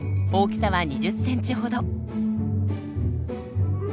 大きさは２０センチほど。